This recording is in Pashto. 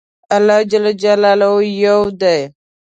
الله ج يو دی